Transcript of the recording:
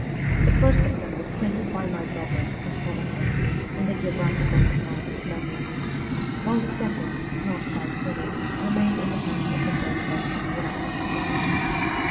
The first of them was printed by my brother and Polakoff (in the Geographical Society's Memoirs) ; while the second, not quite finished, remained in the hands of the Third Section when I ran away.